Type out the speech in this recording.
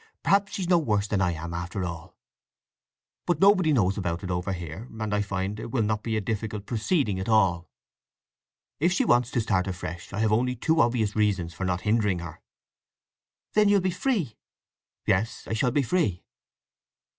Perhaps she's no worse than I am, after all! But nobody knows about it over here, and I find it will not be a difficult proceeding at all. If she wants to start afresh I have only too obvious reasons for not hindering her." "Then you'll be free?" "Yes, I shall be free."